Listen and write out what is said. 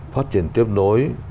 phát triển tiếp đối